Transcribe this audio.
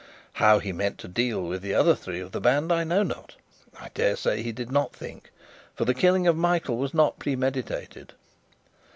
How he meant to deal with the other three of the band, I know not. I dare say he did not think, for the killing of Michael was not premeditated.